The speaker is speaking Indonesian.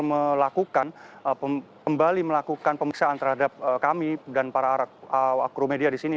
melakukan kembali melakukan pemeriksaan terhadap kami dan para akromedia di sini